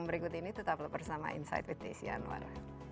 berikut ini tetaplah bersama insight with desi anwar